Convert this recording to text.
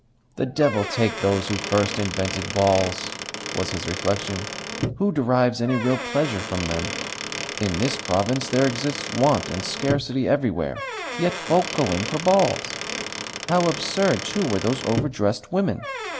"The devil take those who first invented balls!" was his reflection. "Who derives any real pleasure from them? In this province there exist want and scarcity everywhere: yet folk go in for balls! How absurd, too, were those overdressed women!